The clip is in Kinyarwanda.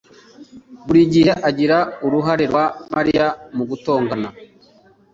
buri gihe agira uruhare rwa Mariya mu gutongana.